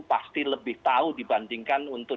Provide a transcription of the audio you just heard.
pasti lebih tahu dibandingkan untuk